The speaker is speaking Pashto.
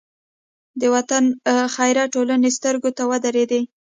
د وطن خیریه ټولنې سترګو ته ودرېدې.